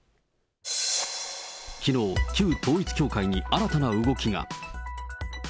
きのう、旧統一教会に新たな動きが。